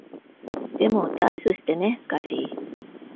でも、ダッシュしてね、ガシー。